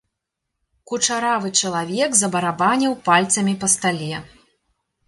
Кучаравы чалавек забарабаніў пальцамі па стале.